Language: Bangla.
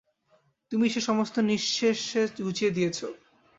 তুমিই সে সমস্ত নিঃশেষে ঘুচিয়ে দিয়েছ।